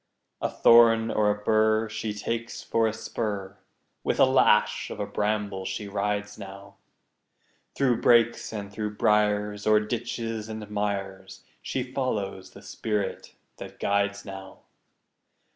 A thorn or a bur She takes for a spur; With a lash of a bramble she rides now, Through brakes and through briars, O'er ditches and mires, She follows the spirit that guides now.